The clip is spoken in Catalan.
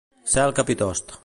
Ser el capitost.